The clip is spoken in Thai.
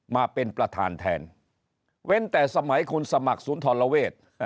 มาเป็นประธานแทนเว้นแต่สมัยคุณสมัครศูนย์ธรเวศ